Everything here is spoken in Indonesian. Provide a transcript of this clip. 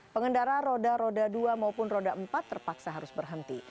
pengendara roda roda dua maupun roda empat terpaksa harus berhenti